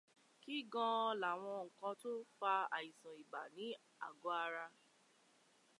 Kí gan-an láwọn nǹkan tó n fa àìsàn ibà ní àgọ̀-ara?